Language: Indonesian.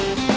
ya itu dia